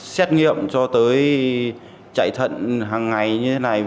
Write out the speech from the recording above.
xét nghiệm cho tới chạy thận hàng ngày như thế này